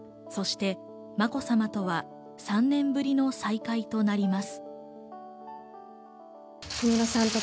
そしてまこさまとは３年ぶりの再会となります。